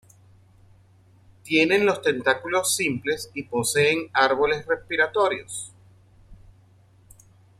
Tienen los tentáculos simples y poseen árboles respiratorios.